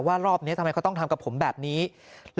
วันนี้ทีมข่าวไทยรัฐทีวีไปสอบถามเพิ่ม